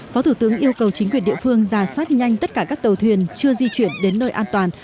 phó thủ tướng yêu cầu chính quyền địa phương giả soát nhanh tất cả các tàu thuyền chưa di chuyển đến nơi an toàn